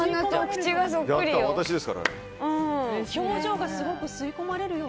口がそっくりよ。